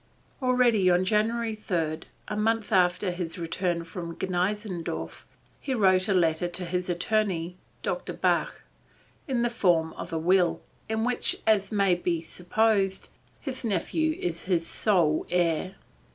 Already on January 3, a month after his return from Gneixendorf, he wrote a letter to his attorney, Dr. Bach, in the form of a will, in which as may be supposed, his nephew is his sole heir.